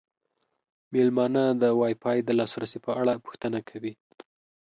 میلمانه د وای فای د لاسرسي په اړه پوښتنه کوي.